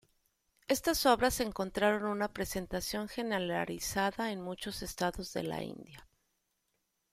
Estas obras encontraron una presentación generalizada en muchos estados de la India.